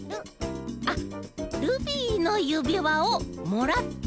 あっ「ルビーのゆびわをもらった！」。